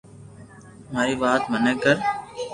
ماري وات متي ڪر